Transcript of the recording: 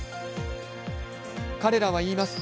彼らは言います。